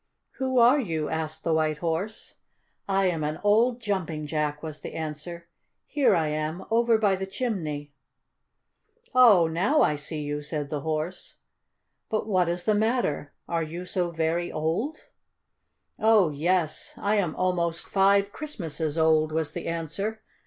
"Who are you?" asked the White Horse. "I am an old Jumping Jack," was the answer. "Here I am, over by the chimney." "Oh, now I see you!" said the Horse. "But what is the matter? Are you so very old?" "Oh, yes, I am almost five Christmases old," was the answer.